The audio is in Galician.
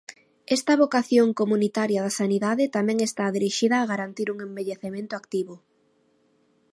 Esta vocación comunitaria da sanidade tamén está dirixida a garantir un envellecemento activo.